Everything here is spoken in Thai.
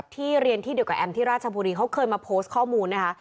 เรียนที่เดียวกับแอมที่ราชบุรีเขาเคยมาโพสต์ข้อมูลนะคะ